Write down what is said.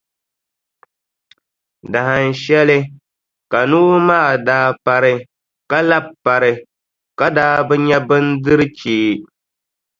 Dahinshɛli ka noo maa daa pari ka labi pari ka daa bi nya bindirʼ chee.